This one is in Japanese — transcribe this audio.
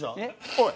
おい！